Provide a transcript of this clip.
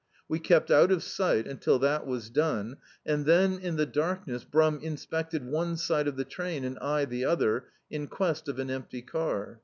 We kept out of si^t until that was done and then in the darkness Brum in spected one side of the train and I the other, in quest of an empty car.